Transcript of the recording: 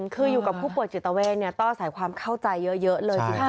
คืออยู่กับผู้ป่วยจิตเวต้อใส่ความเข้าใจเยอะเลย